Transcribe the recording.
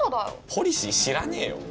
ポリシー知らねえよ！